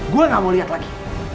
gue gak mau lihat lagi